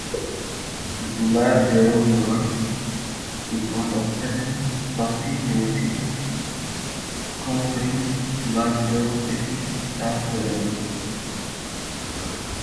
Glasgow North is one of seven constituencies covering the Glasgow City council area.